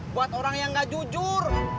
buat orang yang gak jujur